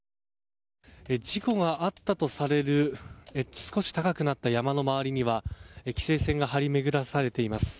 事故があったとされる少し高くなった山の周りには規制線が張り巡らされています。